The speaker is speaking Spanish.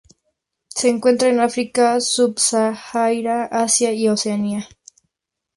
Se encuentra en África subsahariana, Asia y Oceanía.